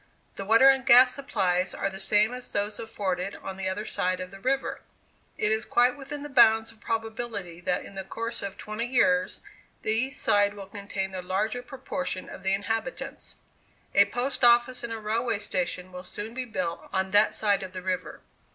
The water and gas supplies are the same as those afforded on the other side of the river. It is quite within the bounds of probability that in the course of twenty years, the east side will contain the larger proportion of the inhabitants. A post office and a railway station will soon be built on that side of the river.